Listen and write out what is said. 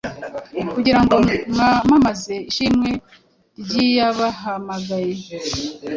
kugira ngo mwamamaze ishimwe ry’iyabahamagaye,